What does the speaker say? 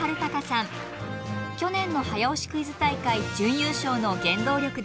去年の早押しクイズ大会準優勝の原動力です。